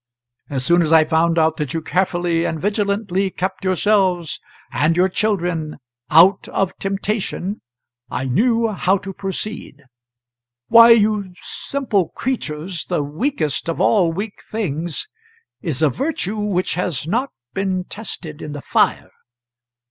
As soon as I found out that you carefully and vigilantly kept yourselves and your children out of temptation, I knew how to proceed. Why, you simple creatures, the weakest of all weak things is a virtue which has not been tested in the fire.